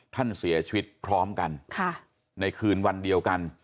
ท่านเสียชีวิตพร้อมกันในคืนวันเดียวกัน